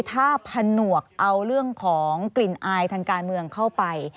ถ้าผนวกเอาเรื่องของกลิ่นอายทางการเมืองเข้าไป